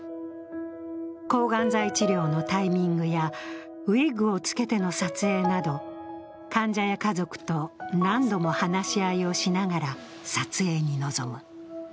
抗がん剤治療のタイミングやウイッグを着けての撮影など患者や家族と何度も話し合いをしながら撮影に臨む。